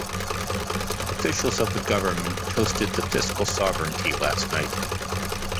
Officials of the government toasted the fiscal sovereignty last night.